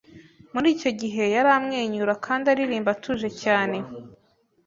Muri icyo gihe, yari amwenyura kandi aririmba atuje cyane.